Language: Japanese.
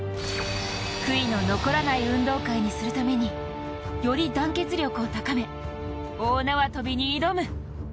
悔いの残らない運動会にするためにより団結力を高め大縄跳びに挑む！